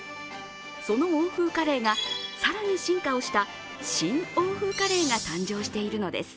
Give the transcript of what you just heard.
その欧風カレーが更に進化をした新欧風カレーが誕生しているのです。